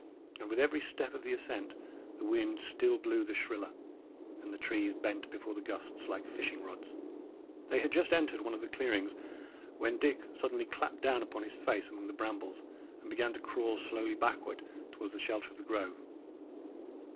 And with every step of the ascent the wind still blew the shriller, and the trees bent before the gusts like fishing rods. They had just entered one of the clearings, when Dick suddenly clapped down upon his face among the brambles, and began to crawl slowly backward towards the shelter of the grove.